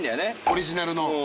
オリジナルの。